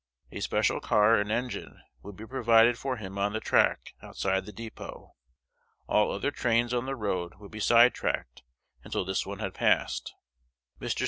A special car and engine would be provided for him on the track outside the dépôt. All other trains on the road would be "sidetracked" until this one had passed. Mr.